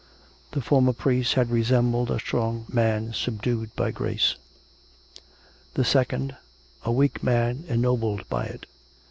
The former priest had resembled a strong man subdued by grace; the second, a weak man ennobled by it.